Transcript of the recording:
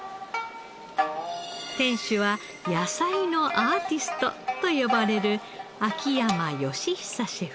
店主は野菜のアーティストと呼ばれる秋山能久シェフ。